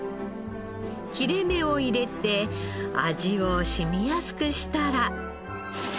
切れ目を入れて味を染みやすくしたら。